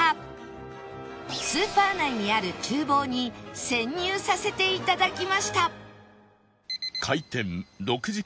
スーパー内にある厨房に潜入させて頂きました